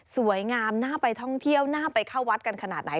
สวยงามน่าไปท่องเที่ยวน่าไปเข้าวัดกันขนาดไหน